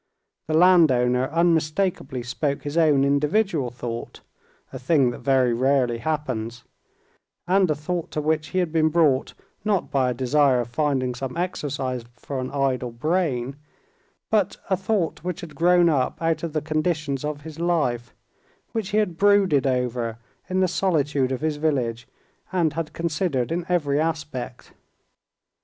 The landowner unmistakably spoke his own individual thought—a thing that very rarely happens—and a thought to which he had been brought not by a desire of finding some exercise for an idle brain, but a thought which had grown up out of the conditions of his life, which he had brooded over in the solitude of his village, and had considered in every aspect.